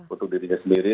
untuk dirinya sendiri